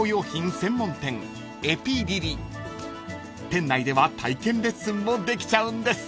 ［店内では体験レッスンもできちゃうんです］